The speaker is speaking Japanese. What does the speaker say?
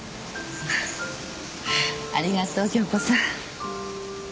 ありがとう杏子さん。